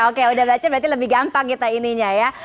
oke udah baca berarti lebih gampang kita ininya ya